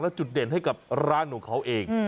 จุดเด่นให้กับร้านของเขาเอง